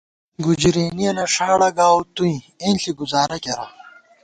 گُجرېنِیَنہ ݭاڑہ گاؤو توئیں ، اېنݪی گُزارہ کېرہ